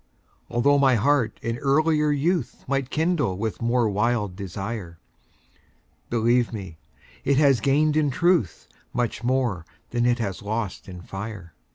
Altho' my heart in earlier youth Might kindle with more wild desire, Believe me, it has gained in truth Much more than it has lost in fire.